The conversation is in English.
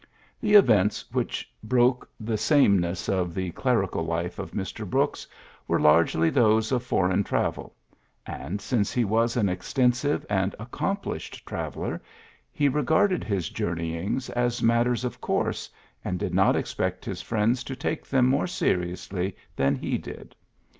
The events w^hich broke the same ness of the clerical life of Mr. Brooks were largely those of foreign travel ; and, since he was an extensive and accom plished traveller, he regarded his jour neyings as matters of coui se, and did not expect his friends to take them more seriously than he did.